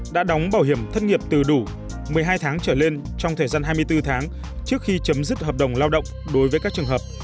đã đóng bảo hiểm thất nghiệp từ đủ một mươi hai tháng trở lên trong thời gian hai mươi bốn tháng trước khi chấm dứt hợp đồng lao động đối với các trường hợp